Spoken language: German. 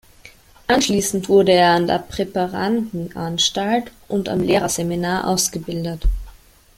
Anschließend wurde er an der Präparandenanstalt und am Lehrerseminar ausgebildet.